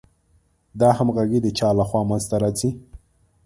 دا همغږي د چا له خوا منځ ته راځي؟